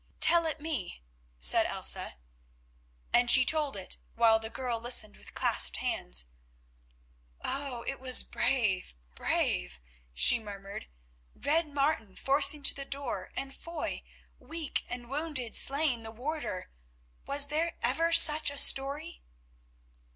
"Tell it me," said Elsa. And she told it while the girl listened with clasped hands. "Oh! it was brave, brave," she murmured. "Red Martin forcing to the door and Foy, weak and wounded, slaying the warder. Was there ever such a story?"